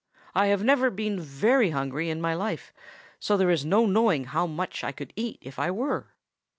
I have never been very hungry in my life, so there is no knowing how much I could eat if I were."